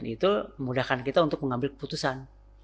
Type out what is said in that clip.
itu memudahkan kita untuk mengambil keputusan